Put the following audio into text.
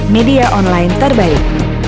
media online terbaik